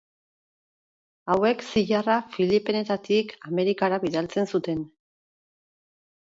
Hauek zilarra Filipinetatik Amerikara bidaltzen zuten.